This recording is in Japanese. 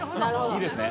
いいですね？